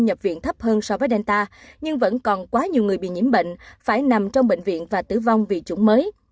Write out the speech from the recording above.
nhập viện thấp hơn so với delta nhưng vẫn còn quá nhiều người bị nhiễm bệnh phải nằm trong bệnh viện và tử vong vì chủng mới